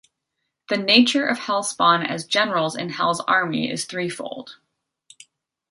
The nature of Hellspawn as generals in hell's army is threefold.